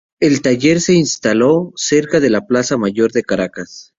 El taller se instaló cerca de la Plaza Mayor de Caracas.